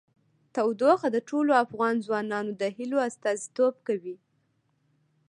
تودوخه د ټولو افغان ځوانانو د هیلو استازیتوب کوي.